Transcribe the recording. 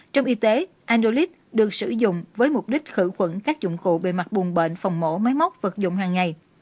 trong y tế andolit được sử dụng với mục đích khử khuẩn các dụng cụ bề mặt bùng bệnh phòng mổ máy móc vật dụng hàng ngày